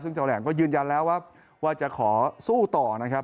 ซึ่งเจ้าแหลมก็ยืนยันแล้วครับว่าจะขอสู้ต่อนะครับ